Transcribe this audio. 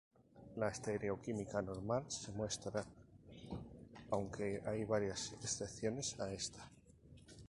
La estereoquímica normal se muestra, aunque hay varias excepciones a esta.